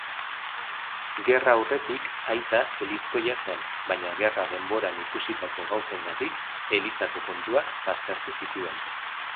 Gerra aurretik aita elizkoia zen, baina gerra denboran ikusitako gauzengatik, elizako kontuak baztertu zituen.